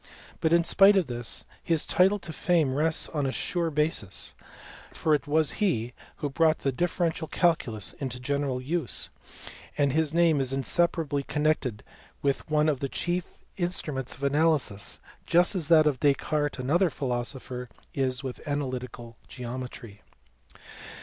But in spite of this, his title to fame rests on a sure basis, for it was he who brought the differential calculus into general use, and his name is inseparably connected with one of the chief instruments of analysis, just as that of Descartes another philosopher is with analytical geometry.